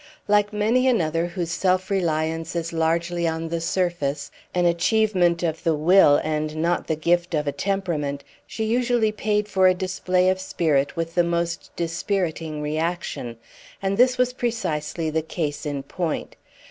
Like many another whose self reliance is largely on the surface, an achievement of the will and not the gift of a temperament, she usually paid for a display of spirit with the most dispiriting reaction; and this was precisely the case in point.